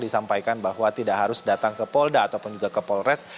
disampaikan bahwa tidak harus datang ke polda ataupun juga ke polres